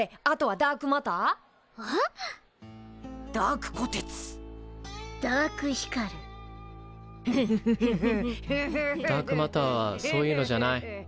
ダークマターはそういうのじゃない。